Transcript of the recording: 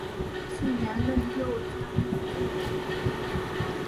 次年任右江镇总兵。